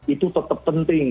itu tetap penting